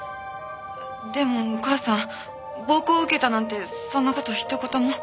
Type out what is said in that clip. でもお母さん暴行を受けたなんてそんな事一言も。